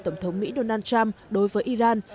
tổng thống mỹ donald trump đối với iran